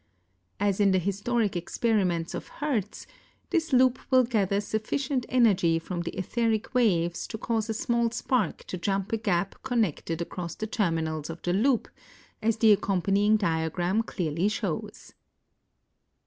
As in the historic experiments of Hertz, this loop will gather sufficient energy from the etheric waves to cause a small spark to jump a gap con nected across the terminals of the loop, as the accompanying diagram clearly shows.